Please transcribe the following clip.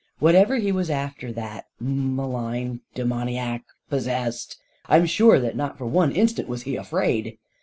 Whatever he was after that — malign, demoniac, possessed — I am sure that not for one instant was he afraid.